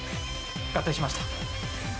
合体しました。